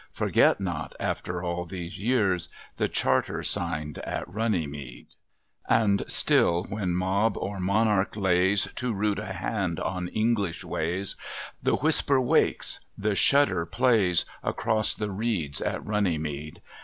Forget not, after all these years, The Charter signed at Runnymede." And still when Mob or Monarch lays Too rude a hand on English ways, The whisper wakes, the shudder plays, Across the reeds at Runnymede.